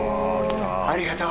ありがとう。